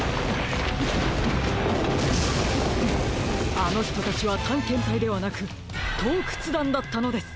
あのひとたちはたんけんたいではなくとうくつだんだったのです！